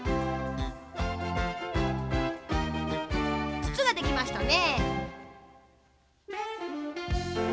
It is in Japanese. つつができましたね。